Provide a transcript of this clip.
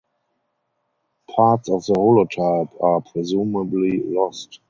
Parts of the Holotype are presumably lost.